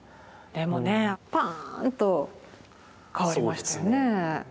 でもねパーンと変わりましたよね。